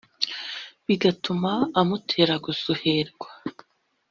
bigatuma amutera gusuherwa!